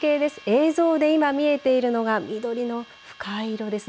映像で今、見えているのが緑の深い色です。